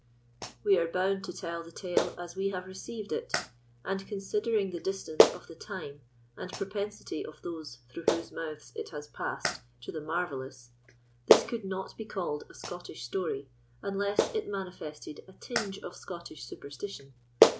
We are bound to tell the tale as we have received it; and, considering the distance of the time, and propensity of those through whose mouths it has passed to the marvellous, this could not be called a Scottish story unless it manifested a tinge of Scottish superstition.